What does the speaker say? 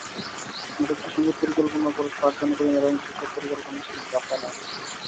নাটকটির সংগীত পরিকল্পনা ফারজানা করিমের এবং পোশাক পরিকল্পনায় ছিলেন রাফায়েল আহসান।